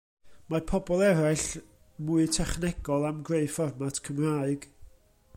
Mae pobl eraill mwy technegol am greu fformat Cymraeg.